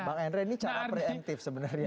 bang andre ini cara preemptif sebenarnya